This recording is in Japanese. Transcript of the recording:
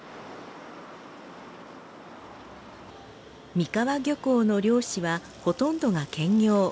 美川漁港の漁師はほとんどが兼業。